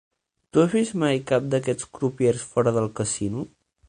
Tu has vist mai cap d'aquests crupiers fora del casino?